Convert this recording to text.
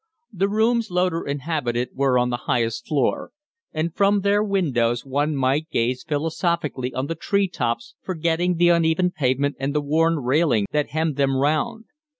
The rooms Loder inhabited were on the highest floor; and from their windows one might gaze philosophically on the tree tops, forgetting the uneven pavement and the worn railing that hemmed them round.